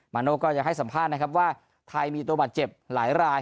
โน่ก็ยังให้สัมภาษณ์นะครับว่าไทยมีตัวบาดเจ็บหลายราย